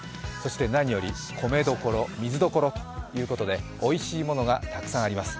何より米どころ水どころということで、おいしいものがたくさんあります。